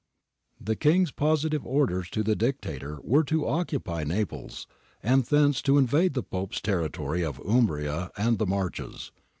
The King's positive orders to the Dictator were to occupy Naples, and thence to invade the Pope's territory of Umbria and the Marches.